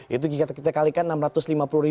yaitu kita kalikan rp enam ratus lima puluh